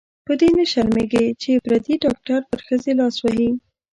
په دې نه شرمېږې چې پردې ډاکټر پر ښځې لاس وهي.